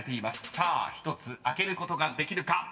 さあ１つ開けることができるか？］